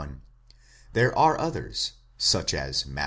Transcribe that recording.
51, there are others (such as Matt.